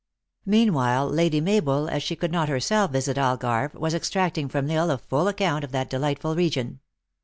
Meanwhile, Lady Mabel, as she could not herself visit Algarve, was extracting from L Isle a full account of that delightful region.